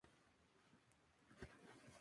Carecen de antenas y de mandíbulas.